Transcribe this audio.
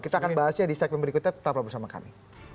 kita akan bahasnya di segmen berikutnya tetaplah bersama kami